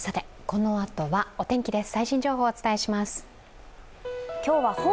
このあとはお天気です。